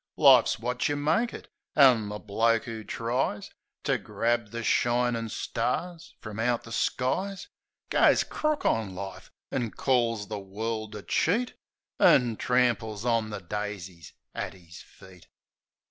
Life's wot yeh make it; an' the bloke 'oo tries To grab the shinin' stars frum out the skies Goes crook on life, an' calls the world a cheat, An' tramples on the daisies at 'is feet.